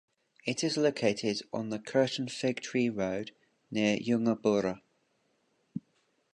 It is located on the Curtain Fig Tree Road, near Yungaburra.